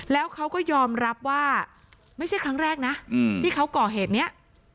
แล้วเขาก็ยอมรับว่าไม่ใช่ครั้งแรกนะที่เขาก่อเหตุนี้